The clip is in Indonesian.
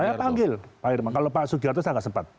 saya panggil pak irman kalau pak sugiharto saya nggak sempat